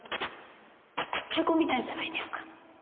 太鼓みたいじゃないですか！